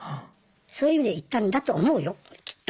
そういう意味で言ったんだと思うよきっと。